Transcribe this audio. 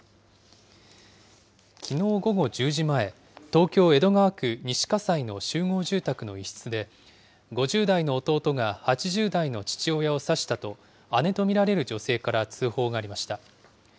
きのう午後１０時前、東京・江戸川区西葛西の集合住宅の１室で、５０代の弟が８０代の父親を刺したと、姉と見られる女性から通報がありました。